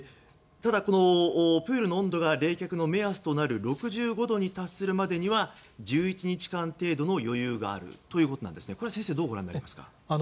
ただ、プールの温度が冷却の目安となる６５度に達するまでには１１日間程度の余裕があるということですが先生、どうご覧になりますか。